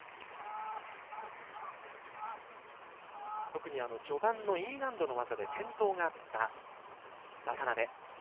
特に序盤のＥ難度の技で転倒があった渡部。